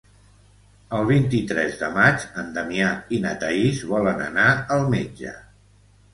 El vint-i-tres de maig en Damià i na Thaís volen anar al metge.